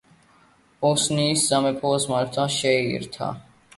ბოსნიის სამეფო ოსმალეთმა შეიერთა.